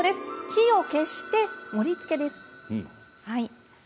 火を消して、盛りつけです。